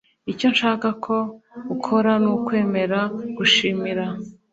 icyo nshaka ko ukora nukwemera gushimira